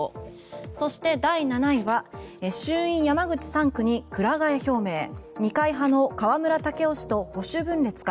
そして第７位は衆院山口３区にくら替え表明二階派の河村建夫氏と保守分裂か。